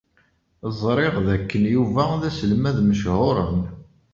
Ẓriɣ dakken Yuba d aselmad mechuṛen.